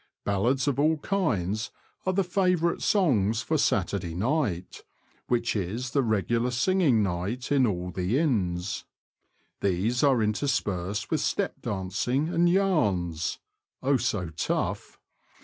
Ballads of all kinds are the favourite songs for Saturday night — which is the regular singing night in all the inns. These are interspersed with step dancing and yarns (oh, so tough!).